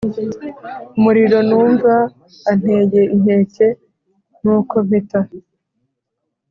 Umuriro numva anteye inkeke nuko mpita